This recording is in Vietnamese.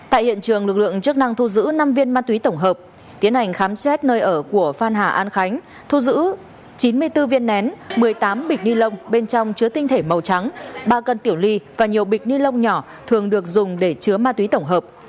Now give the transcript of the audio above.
tại hiện trường lực lượng chức năng thu giữ năm viên ma túy tổng hợp tiến hành khám xét nơi ở của phan hà an khánh thu giữ chín mươi bốn viên nén một mươi tám bịch ni lông bên trong chứa tinh thể màu trắng ba cân tiểu ly và nhiều bịch ni lông nhỏ thường được dùng để chứa ma túy tổng hợp